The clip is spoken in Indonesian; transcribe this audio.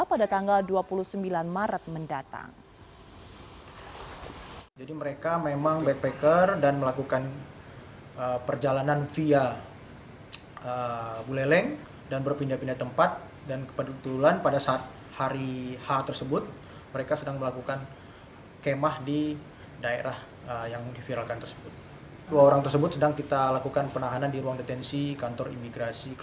kedua warga negara indonesia pada tanggal dua puluh sembilan maret mendatang